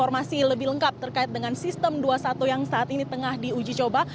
informasi lebih lengkap terkait dengan sistem dua puluh satu yang saat ini tengah diuji coba